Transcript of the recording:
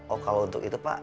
oh kalau untuk itu pak